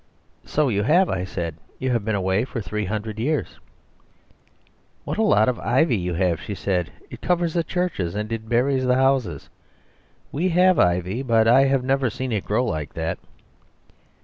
"So you have," I said; "you have been away for three hundred years." "What a lot of ivy you have," she said. "It covers the churches and it buries the houses. We have ivy; but I have never seen it grow like that."